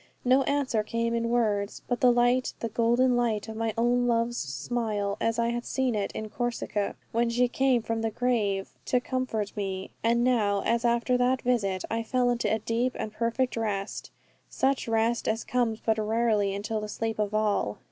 No answer came in words; but the light, the golden light of my own love's smile, as I had seen it in Corsica, when she came from the grave to comfort me. And now, as after that visit, I fell into deep and perfect rest, such rest as comes but rarely until the sleep of all.